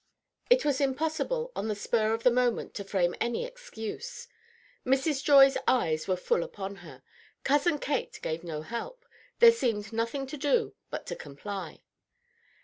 It was impossible on the spur of the moment to frame any excuse. Mrs. Joy's eyes were full upon her; Cousin Kate gave no help; there seemed nothing to do but to comply.